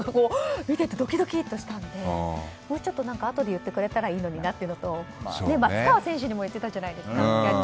見ててドキドキとしたのでもうちょっとあとで言ってくれたらいいのになっていうのと松川選手にも言ってたじゃないですか